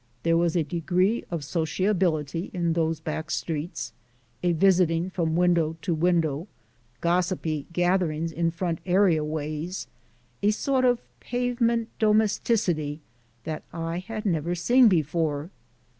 There was a degree of sociability in those back streets, a visiting from window to window, gossipy gatherings in front area ways, a sort of pavement domesticity, that I had never seen before.